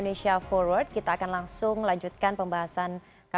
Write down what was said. baik sepertinya masih panjang pembahasannya